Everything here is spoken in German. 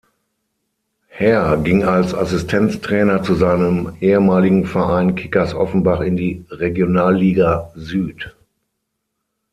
Herr ging als Assistenztrainer zu seinem ehemaligen Verein Kickers Offenbach in die Regionalliga Süd.